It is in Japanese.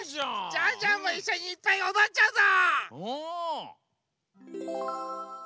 ジャンジャンもいっしょにいっぱいおどっちゃうぞ！